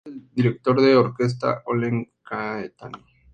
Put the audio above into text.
Su hijo es el director de orquesta Oleg Caetani.